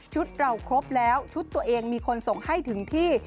เราครบแล้วชุดตัวเองมีคนส่งให้ถึงที่